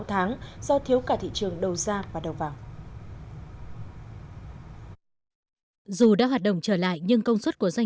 tháng do thiếu cả thị trường đầu ra và đầu vào dù đã hoạt động trở lại nhưng công suất của doanh